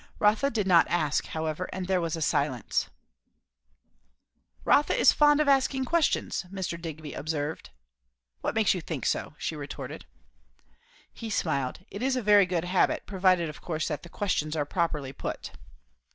Rotha did not ask, however, and there was silence. "Rotha is fond of asking questions," Mr. Digby observed. "What makes you think so?" she retorted. He smiled. "It is a very good habit provided of course that the questions are properly put."